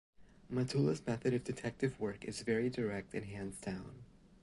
Matula's method of detective work is very direct and hands-down.